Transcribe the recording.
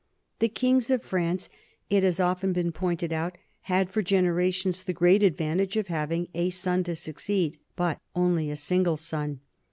The kings of France, it has often been pointed out, had for generations the great advantage of having a son to succeed, but only a single son.